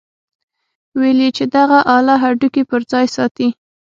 ويل يې چې دغه اله هډوکي پر خپل ځاى ساتي.